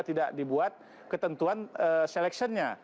tidak dibuat ketentuan seleksiannya